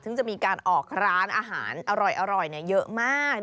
ซึ่งจะมีการออกร้านอาหารอร่อยเยอะมาก